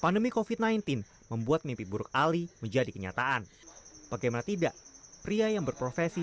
pandemi kofit sembilan belas membuat mimpi buruk ali menjadi kenyataan bagaimana tidak pria yang berprofesi